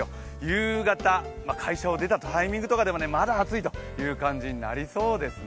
夕方、会社を出たタイミングとかでもまだ暑いという感じになってきそうです。